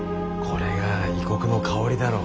これが異国の香りだろ。